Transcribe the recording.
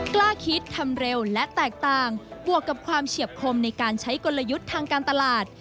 กล้าคิดทำเร็วและแตกต่างบวกกับความเฉียบคมในการใช้กลยุทธ์ทางการตลาด